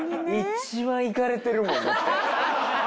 一番イカれてるもんだって。